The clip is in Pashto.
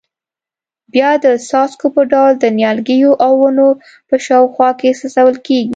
بیا د څاڅکو په ډول د نیالګیو او ونو په شاوخوا کې څڅول کېږي.